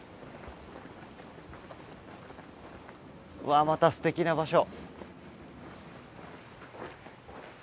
わまたすてきな場所。